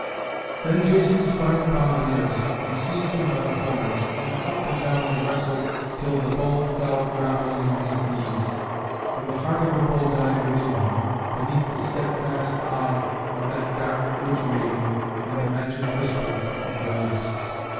Then Jason sprang upon the nearest, and seized him by the horns, and up and down they wrestled, till the bull fell groveling on his knees. For the heart of the bull died within him, beneath the steadfast eye of that dark witch maiden and the magic whisper of her lips.